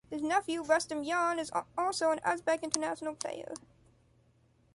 His nephew, Rustamjon, is also an Uzbek international player.